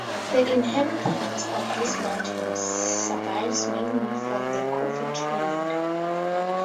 The inhabitants of this mountains survives mainly from the coffee trade.